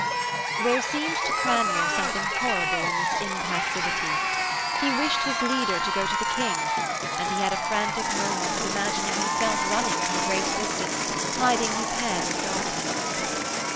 There seemed to Cranmer something horrible in this impassivity. He wished his leader to go to the King, and he had a frantic moment of imagining himself running to a great distance, hiding his head in darkness.